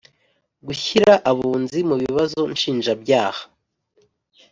Gushyira Abunzi mu bibazo nshinjabyaha